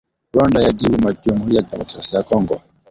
Rwanda yajibu Jamhuri ya kidemokrasia ya Kongo.